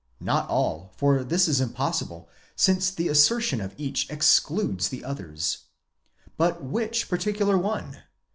Not all, for this is impossible, since the assertion of each excludes the others. But which particular one?